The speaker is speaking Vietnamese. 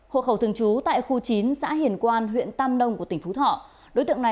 hộ khẩu thường trú tại khu chín xã hiền quan huyện tam đông tỉnh phú thọ